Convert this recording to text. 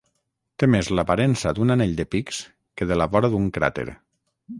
Té més l'aparença d'un anell de pics que de la vora d'un cràter.